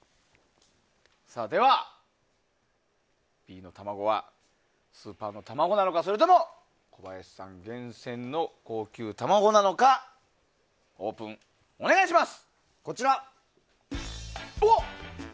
では、Ｂの卵はスーパーの卵なのかそれとも小林さん厳選の高級卵なのかオープン、お願いします！